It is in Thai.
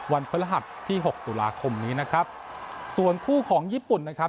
พฤหัสที่หกตุลาคมนี้นะครับส่วนคู่ของญี่ปุ่นนะครับ